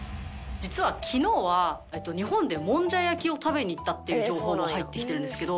実は昨日は日本でもんじゃ焼きを食べに行ったっていう情報が入ってきてるんですけど。